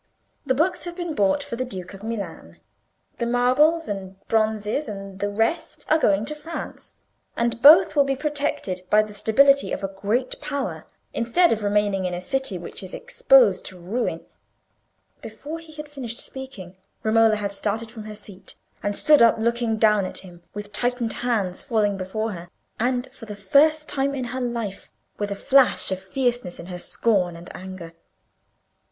The books have been bought for the Duke of Milan, the marbles and bronzes and the rest are going to France: and both will be protected by the stability of a great Power, instead of remaining in a city which is exposed to ruin." Before he had finished speaking, Romola had started from her seat, and stood up looking down at him, with tightened hands falling before her, and, for the first time in her life, with a flash of fierceness in her scorn and anger.